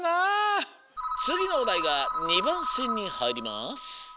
つぎのおだいが２ばんせんにはいります。